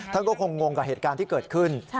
ท่านก็คงงกับเหตุการณ์ที่เกิดขึ้น